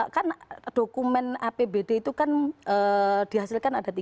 kan dokumen apbd itu kan dihasilkan ada tiga